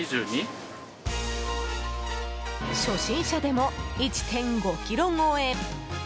初心者でも１５ｋｇ超え。